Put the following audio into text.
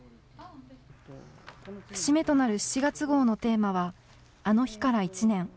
節目となる７月号のテーマは、あの日から１年。